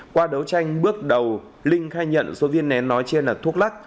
qua đấu tranh bước đầu linh khai nhận số viên nén nói trên là thuốc lắc